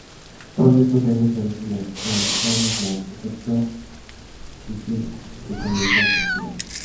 Todos estos viajes se originan en Rhode Island, excepto "Kingpin", que comienza en Pensilvania.